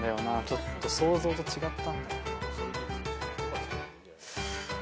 ちょっと想像と違ったんだよな。